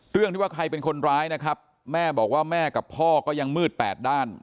เรื่องที่ว่าใครเป็นคนร้ายนะครับแม่บอกว่าแม่กับพ่อก็ยังมืดแปดด้าน